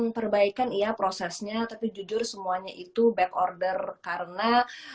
perbaikan iya prosesnya tapi jujur semuanya itu backorder karena